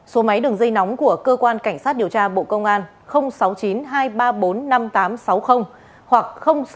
số máy đường dây nóng của cơ quan cảnh sát điều tra bộ công an sáu mươi chín hai trăm ba mươi bốn năm nghìn tám trăm sáu mươi hoặc sáu mươi chín hai trăm ba mươi hai một nghìn sáu trăm bảy